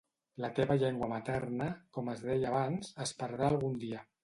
La teva llengua materna, com es deia abans, es perdrà algun dia.